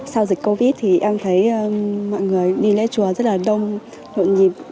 sau dịch covid thì em thấy mọi người đi lễ chùa rất là đông nhộn nhịp